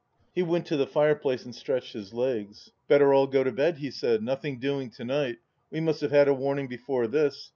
He went to the fireplace and stretched his legs. " Better all go to bed !" he said. " Nothmg doing to night. We must have had a warning before this.